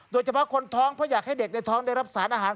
โดยเฉพาะคนท้องเพราะอยากให้เด็กในท้องได้รับสารอาหาร